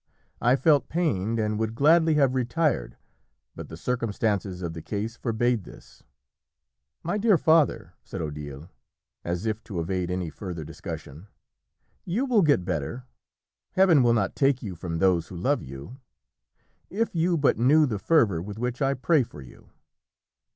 I felt pained, and would gladly have retired. But the circumstances of the case forbade this. "My dear father," said Odile, as if to evade any further discussion, "you will get better. Heaven will not take you from those who love you. If you but knew the fervour with which I pray for you!"